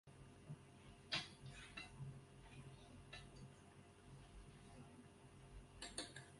Тым больш, што поспехі тут ужо ёсць.